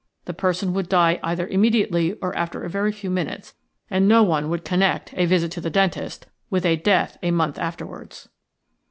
The person would die either immediately or after a very few minutes, and no one would connect a visit to the dentist with a death a month afterwards."